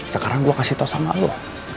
sekarang gue kasih tau sama lo